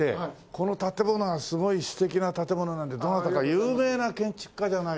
この建物はすごい素敵な建物なのでどなたか有名な建築家じゃないかという事をね。